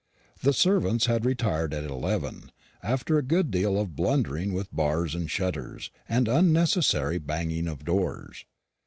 The servants had retired at eleven, after a good deal of blundering with bars and shutters, and unnecessary banging of doors.